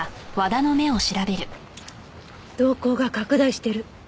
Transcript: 瞳孔が拡大してる。